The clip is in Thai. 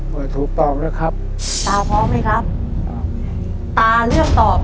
ก็ถูกตอบแล้วครับครับตาพร้อมหรือครับครับ